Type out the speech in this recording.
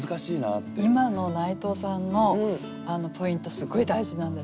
今の内藤さんのポイントすごい大事なんです。